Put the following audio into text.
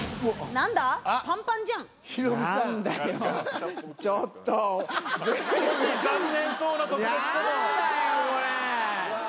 何だよこれ！